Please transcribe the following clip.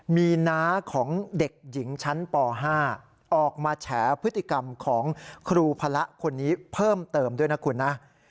มีน้าของเด็กหญิงชั้นป๕ออกมาแฉพฤติกรรมของครูพระคนนี้เพิ่มเติมด้วยนะคุณนะ